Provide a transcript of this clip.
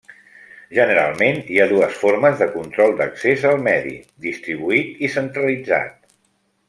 Generalment hi ha dues formes de control d'accés al medi: distribuït i centralitzat.